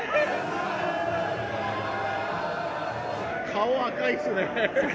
顔、赤いっすね。